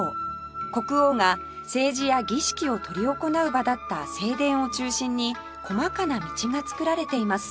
国王が政治や儀式を執り行う場だった正殿を中心に細かな道が造られています